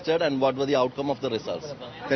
agar mereka dapat mengupdate anda sehari hari